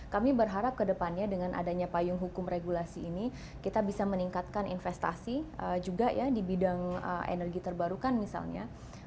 kami berharap ke depannya dengan adanya payung hukum regulasi ini kita bisa meningkatkan investasi juga ya di bidang energi terbarukan misalnya